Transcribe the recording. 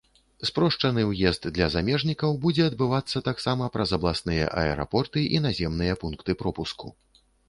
Спрошчаны ўезд для замежнікаў будзе адбывацца таксама праз абласныя аэрапорты і наземныя пункты пропуску.